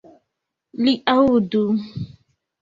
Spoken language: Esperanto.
Li aŭdu!